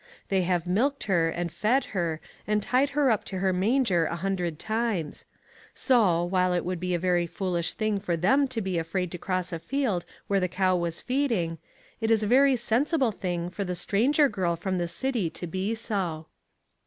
They have milked her, and fed her, and tied her up to her manger a hundred times; so, while it would be a very foolish thing for them to be afraid to cross a field where the cow was feeding, it is a very sensible thing for the stranger girl from the city to be so.